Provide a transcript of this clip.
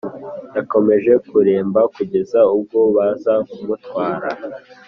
Yakomeje kuremba kugeza ubwo baza kumutwara